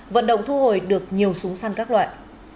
vận động thu hồi được nhiều súng săn các loại